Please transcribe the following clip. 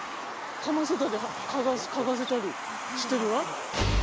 かませたり嗅がせたりしてるわ。